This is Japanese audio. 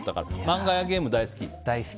漫画やゲームが大好き？